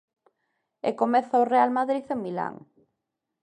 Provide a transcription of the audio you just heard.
E comeza o Real Madrid en Milán.